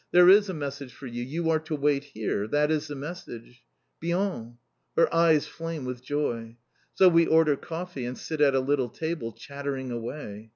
"There is a message for you. You are to wait here. That is the message!" "Bien!" Her eyes flame with joy. So we order coffee and sit at a little table, chattering away.